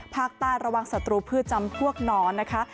ภาคใต้ระวังศัตรูพืชจำพวกหนอนนะคะ